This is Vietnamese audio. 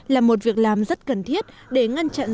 là một việc làm rất cần thiết để ngăn chặn dịch bệnh